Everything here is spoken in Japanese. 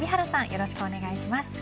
よろしくお願いします。